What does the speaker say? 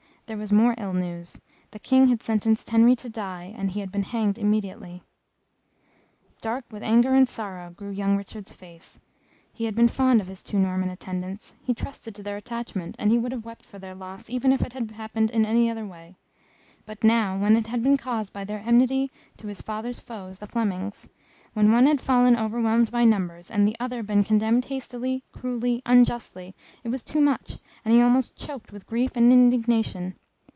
there was more ill news the King had sentenced Henry to die, and he had been hanged immediately. Dark with anger and sorrow grew young Richard's face; he had been fond of his two Norman attendants, he trusted to their attachment, and he would have wept for their loss even if it had happened in any other way; but now, when it had been caused by their enmity to his father's foes, the Flemings, when one had fallen overwhelmed by numbers, and the other been condemned hastily, cruelly, unjustly, it was too much, and he almost choked with grief and indignation.